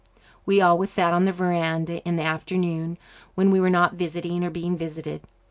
We always sat on the verandah in the afternoon, when we were not visiting or being visited.